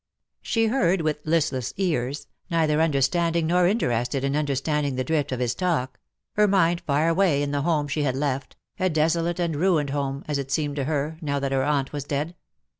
She heard with listless ears, neither understanding nor interested in understanding the drift of his talk — ^her mind far away in the home she had left, ^^NOT THE GODS CAN SHAKE THE PAST." 141 a desolate and ruined liome^ as it seemed to her, now that her aunt was dead.